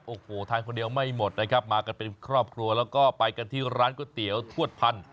โอ้โหทานคนเดียวไม่หมดนะครับมากันเป็นครอบครัวแล้วก็ไปกันที่ร้านก๋วยเตี๋ยวทวดพันธ